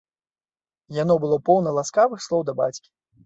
Яно было поўна ласкавых слоў да бацькі.